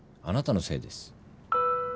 あなたのせいです。